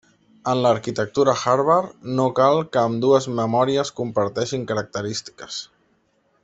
En l'arquitectura Harvard no cal que ambdues memòries comparteixin característiques.